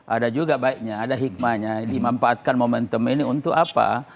ada juga baiknya ada hikmahnya dimanfaatkan momentum ini untuk apa